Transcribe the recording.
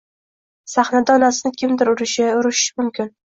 Sahnada onasini kimdir urishi, urishishi mumkin